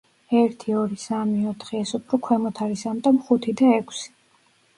ერთი, ორი, სამი, ოთხი, ეს უფრო ქვემოთ არის, ამიტომ, ხუთი და ექვსი.